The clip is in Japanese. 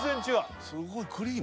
すごいクリーム？